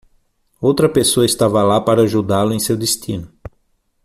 Outra pessoa estava lá para ajudá-lo em seu destino.